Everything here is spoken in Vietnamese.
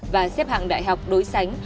và xếp hạng đại học đối sánh